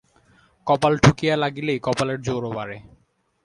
কপাল ঠুকিয়া লাগিলেই কপালের জোরও বাড়ে।